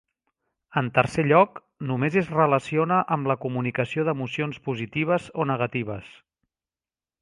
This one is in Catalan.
En tercer lloc, només es relaciona amb la comunicació d'emocions positives o negatives.